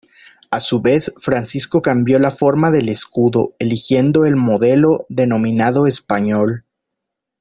A su vez, Francisco cambió la forma del escudo, eligiendo el modelo denominado "español".